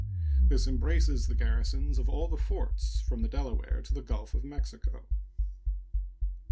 This embraces the garrisons of all the forts from the Delaware to the Gulf of Mexico.